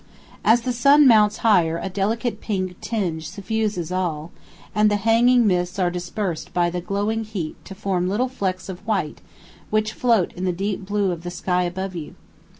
As the sun mounts higher a delicate pink tinge suffuses all, and the hanging mists are dispersed by the growing heat to form little flecks of white which float in the deep blue of the sky above you.